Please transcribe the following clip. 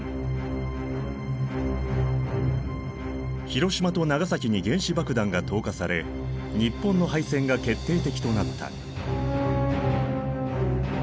広島と長崎に原子爆弾が投下され日本の敗戦が決定的となった。